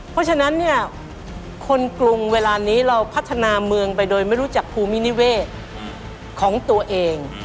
เพราะฉะนั้นเนี่ยคนกรุงเวลานี้เราพัฒนาเมืองไปโดยไม่รู้จักภูมินิเวศของตัวเอง